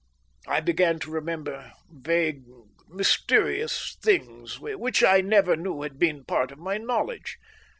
I began to remember vague, mysterious things, which I never knew had been part of my knowledge.